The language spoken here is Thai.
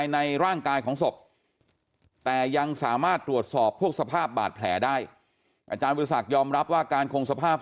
ในหลายประเด็นนะครับ